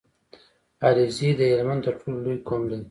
عليزی د هلمند تر ټولو لوی قوم دی